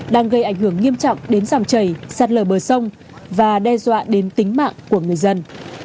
đang gây ảnh hưởng nghiêm trọng đến giảm chảy sát lờ bờ sông và đe dọa đến tính mạng của người dân